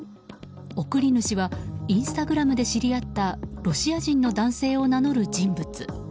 送り主はインスタグラムで知り合ったロシア人の男性を名乗る人物。